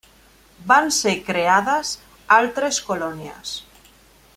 Van ser creades altres colònies.